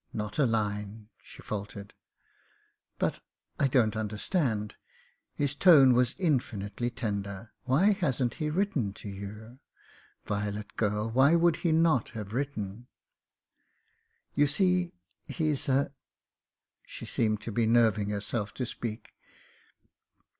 "Not a line," she faltered. "But — I don't understand." His tone was infinitely tender. "Why hasn't he written to you ? Violet girl, why would he not have written ?" "You see, he's a " She seemed to be nerving herself to speak.